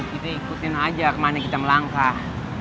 kita ikutin aja kemana kita melangkah